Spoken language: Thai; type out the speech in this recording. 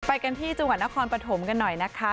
ไปกันที่จังหวัดนครปฐมกันหน่อยนะคะ